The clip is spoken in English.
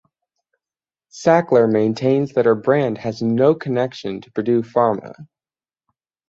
Sackler maintains that her brand has no connection to Purdue Pharma.